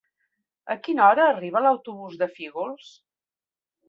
A quina hora arriba l'autobús de Fígols?